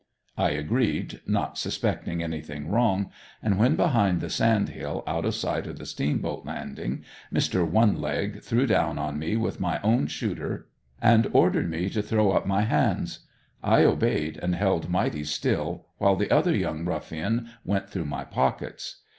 I agreed, not suspecting anything wrong and when behind the sand hill, out of sight of the steamboat landing, Mr. one leg threw down on me with my own "shooter" and ordered me to throw up my hands. I obeyed and held mighty still while the other young ruffian went through my pockets.